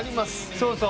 そうそう。